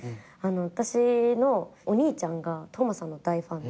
私のお兄ちゃんが斗真さんの大ファンで。